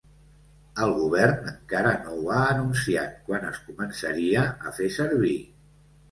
El govern encara no ha anunciat quan es començaria a fer servir.